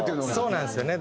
そうなんですよね。